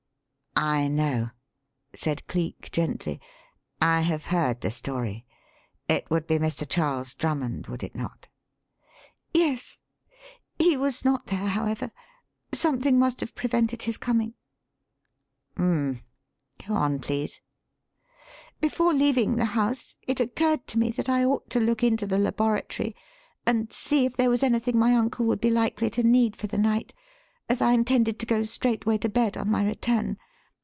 "I know," said Cleek, gently. "I have heard the story. It would be Mr. Charles Drummond, would it not?" "Yes. He was not there, however. Something must have prevented his coming." "Hum m m! Go on, please." "Before leaving the house, it occurred to me that I ought to look into the laboratory and see if there was anything my uncle would be likely to need for the night, as I intended to go straightway to bed on my return.